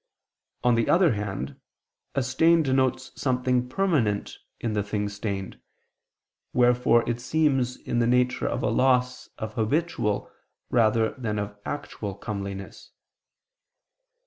On the other hand a stain denotes something permanent in the thing stained, wherefore it seems in the nature of a loss of habitual rather than of actual comeliness.